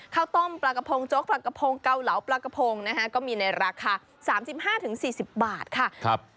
ข้าวต้มปลากระพงโจ๊กปลากระพงเกาเหลาปลากระพงนะฮะก็มีในราคาสามสิบห้าถึงสี่สิบบาทค่ะครับ